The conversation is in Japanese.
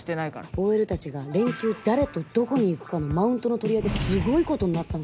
ＯＬたちが連休誰とどこに行くかのマウントの取り合いですごいことになってたんですよ。